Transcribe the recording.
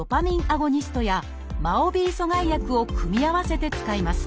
アゴニストやＭＡＯ−Ｂ阻害薬を組み合わせて使います